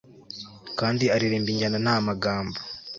Kandi aririmba injyana nta magambo